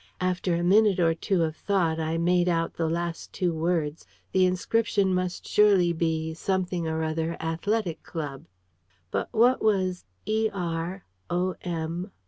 After a minute or two of thought, I made out the last two words. The inscription must surely be Something or other Athletic Club. But what was "Er... om..